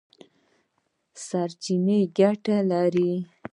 سرچینې ګټې لري.